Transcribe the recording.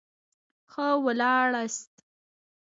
ښه ولاړاست.